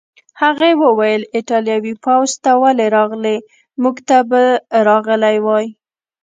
هغې وویل: ایټالوي پوځ ته ولې راغلې؟ موږ ته به راغلی وای.